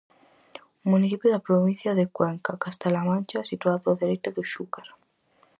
Municipio da provincia de Cuenca, Castela-A Mancha, situado á dereita do Xúquer.